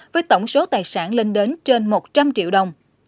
với tổng số tài sản lên đến trên một trăm linh triệu đồng